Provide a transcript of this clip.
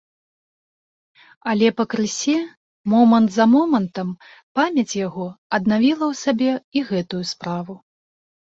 Але пакрысе, момант за момантам, памяць яго аднавіла ў сабе і гэтую справу.